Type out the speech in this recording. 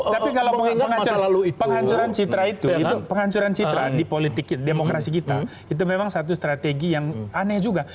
tapi kalau penghancuran citra itu penghancuran citra di politik demokrasi kita itu memang satu strategi yang aneh juga